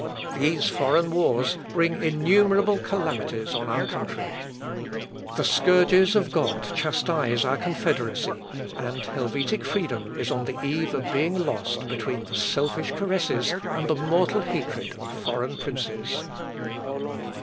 These foreign wars bring innumerable calamities on our country. The scourges of God chastise our confederacy, and Helvetic freedom is on the eve of being lost between the selfish caresses and the mortal hatred of foreign princes."